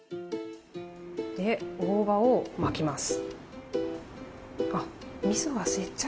大葉を巻きます。